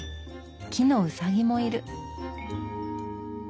木のウサギもいる。